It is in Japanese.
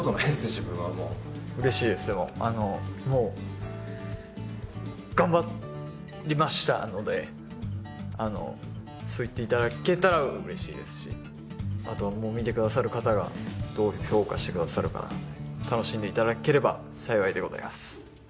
自分はもう嬉しいですでもあのもう頑張りましたのであのそう言っていただけたら嬉しいですしあとはもう見てくださる方がどう評価してくださるかなので楽しんでいただければ幸いでございます